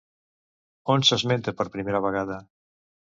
On s'esmenta per primera vegada?